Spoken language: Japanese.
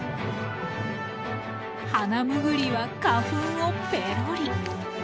ハナムグリは花粉をペロリ！